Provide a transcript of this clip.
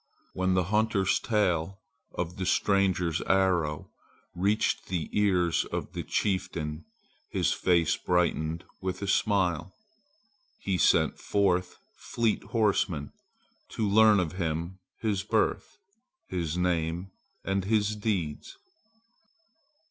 When the hunter's tale of the stranger's arrow reached the ears of the chieftain, his face brightened with a smile. He sent forth fleet horsemen, to learn of him his birth, his name, and his deeds.